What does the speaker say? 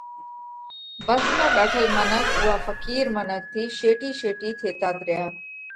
ڀس ۾ ٻيٺل منک اُوئا ڦقِير منک ٿِي شيٽِي شيٽِي ٿيتات ريا،